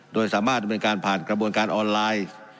โดยสามารถดำเนินการผ่านกระบวนการออนไลน์